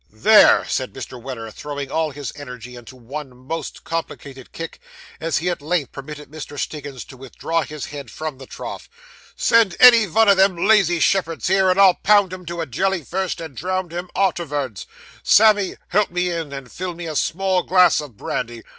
'There!' said Mr. Weller, throwing all his energy into one most complicated kick, as he at length permitted Mr. Stiggins to withdraw his head from the trough, 'send any vun o' them lazy shepherds here, and I'll pound him to a jelly first, and drownd him artervards! Sammy, help me in, and fill me a small glass of brandy.